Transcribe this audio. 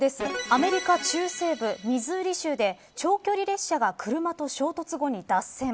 アメリカ中西部ミズーリ州で長距離列車が車と衝突後に脱線。